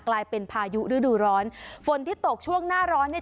กลายเป็นพายุฤดูร้อนฝนที่ตกช่วงหน้าร้อนเนี่ย